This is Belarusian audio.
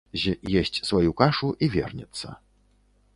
З есць сваю кашу і вернецца.